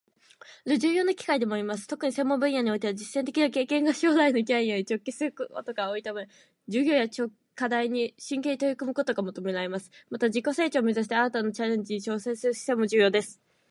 大学での学びは、単なる知識の吸収だけでなく、自分の興味や将来の目標に合ったスキルを身につける重要な機会でもあります。特に専門分野においては、実践的な経験が将来のキャリアに直結することが多いため、授業や課題に真剣に取り組むことが求められます。また、自己成長を目指して新たなチャレンジに挑戦する姿勢も重要です。